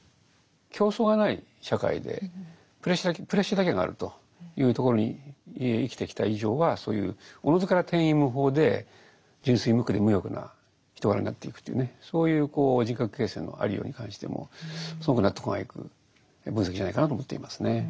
競争がない社会でプレッシャーだけがあるというところに生きてきた以上はそういうおのずから天衣無縫で純粋無垢で無欲な人柄になっていくというねそういう人格形成のありように関してもすごく納得がいく分析じゃないかなと思っていますね。